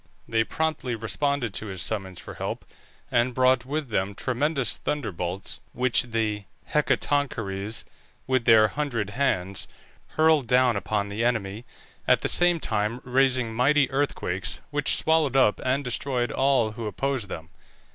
They promptly responded to his summons for help, and brought with them tremendous thunderbolts which the Hecatoncheires, with their hundred hands, hurled down upon the enemy, at the same time raising mighty earthquakes, which swallowed up and destroyed all who opposed them.